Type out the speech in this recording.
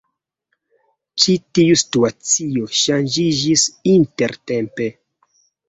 Ĉi tiu situacio ŝanĝiĝis intertempe.